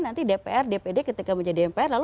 nanti dpr dpd ketika menjadi dpr